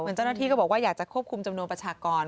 เจ้าหน้าที่ก็บอกว่าอยากจะควบคุมจำนวนประชากร